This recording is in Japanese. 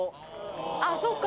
あぁそっか。